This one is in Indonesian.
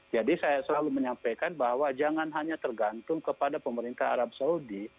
jadi saya selalu menyampaikan bahwa jangan hanya tergantung kepada pemerintah arab saudi